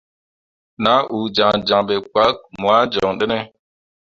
Nah uu jaŋjaŋ ɓe kpak moah joŋ ɗene.